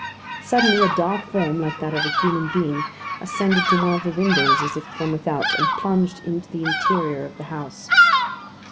Suddenly a dark form, like that of a human being, ascended to one of the windows, as if from without, and plunged into the interior of the house.